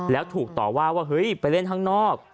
แล้วถูกต่อว่าว่าเฮ้ยไปเล่นข้างนอก